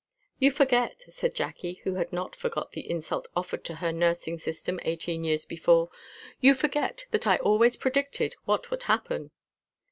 "You forget," said Jacky, who had not forgot the insult offered to her nursing system eighteen years before; "you forget that I always predicted what would happen."